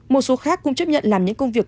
một số khác cũng chấp nhận làm những công việc